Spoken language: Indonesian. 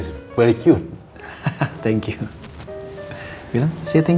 sayangkan bilang terima kasih